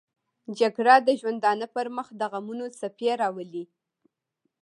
جګړه د ژوندانه پر مخ دغمونو څپې راولي